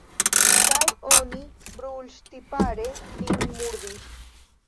Kaj oni brulŝtipare lin murdis.